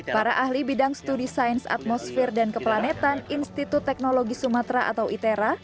para ahli bidang studi sains atmosfer dan keplanetan institut teknologi sumatera atau itera